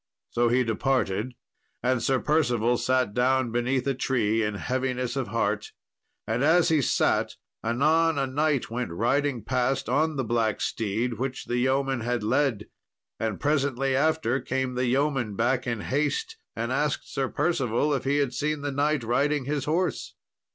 So he departed, and Sir Percival sat down beneath a tree in heaviness of heart. And as he sat, anon a knight went riding past on the black steed which the yeoman had led. And presently after came the yeoman back in haste, and asked Sir Percival if he had seen a knight riding his horse.